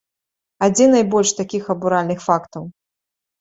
А дзе найбольш такіх абуральных фактаў?